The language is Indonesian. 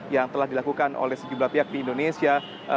yang telah dilakukan oleh sejumlah pihak di indonesia